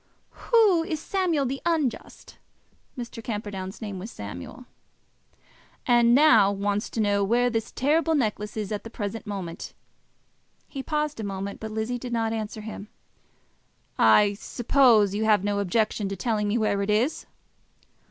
"Who is Samuel the Unjust." Mr. Camperdown's name was Samuel. "And now wants to know where this terrible necklace is at this present moment." He paused a moment, but Lizzie did not answer him. "I suppose you have no objection to telling me where it is."